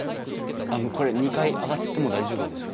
あのこれ２階上がっても大丈夫ですか？